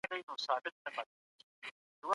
نن هوا ډېره سړه ده